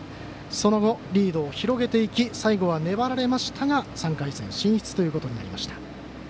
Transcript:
その後、リードを広げていき最後は粘られましたが３回戦進出となりました。